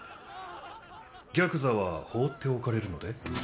ギャクザは放っておかれるので？